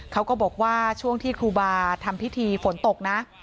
เขาก็บอกว่าช่วงที่ครูบาทำพิธีฝนตกนะ